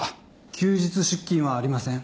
休日出勤はありません。